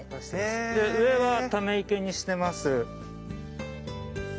で上はため池にしてます。